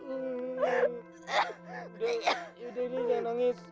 udah ini jangan nangis